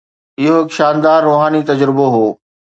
اهو هڪ شاندار روحاني تجربو هو